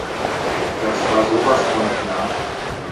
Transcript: Das war sowas von klar.